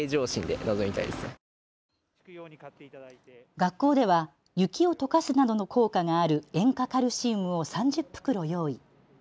学校では雪をとかすなどの効果がある塩化カルシウムを３０袋用意。